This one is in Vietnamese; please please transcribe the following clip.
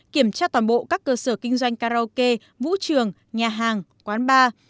kiểm tra toàn bộ các cơ sở kinh doanh karaoke vũ trường nhà hàng quán bar